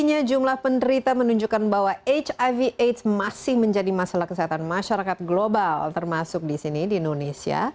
sebelumnya jumlah penderita menunjukkan bahwa hiv aids masih menjadi masalah kesehatan masyarakat global termasuk di sini di indonesia